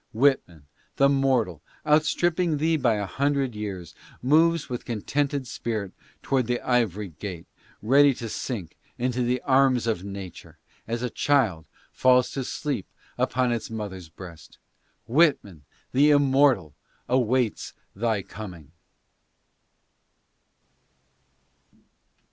Whitman, the mortal, outstripping thee by a hundred years, moves with contented spirit toward the ivory gate, ready to sink into the arms of nature, as a child falls to sleep upon its mother's breast. Whitman, the immortal, awaits thy coming.